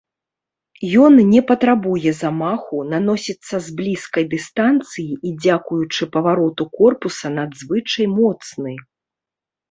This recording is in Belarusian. Ён не патрабуе замаху, наносіцца з блізкай дыстанцыі і дзякуючы павароту корпуса надзвычай моцны.